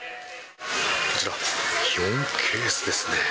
あちら、４ケースですね。